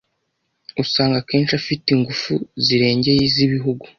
usanga kenshi afise inguvu zirengeye iz'ibihugu".